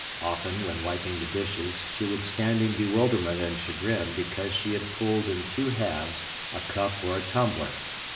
Often, when wiping the dishes, she would stand in bewilderment and chagrin because she had pulled in two halves a cup or a tumbler.